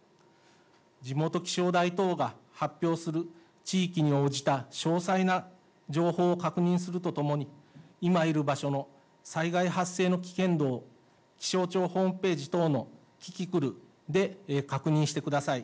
地元気象台等が発表する地域に応じた詳細な情報を確認するとともに、今いる場所の災害発生の危険度を気象庁ホームページ等のキキクルで確認してください。